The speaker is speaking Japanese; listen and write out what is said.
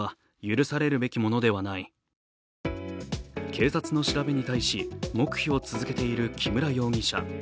警察の調べに対し黙秘を続けている木村容疑者。